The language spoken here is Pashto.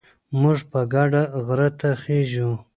موږ په ګډه غره ته خېژو.